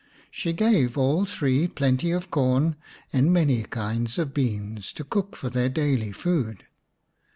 She gave all three plenty of corn and many kinds of beans to cook for their daily food.